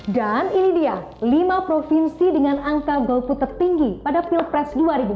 dan ini dia lima provinsi dengan angka golput tertinggi pada pilpres dua ribu empat belas